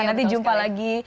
nanti jumpa lagi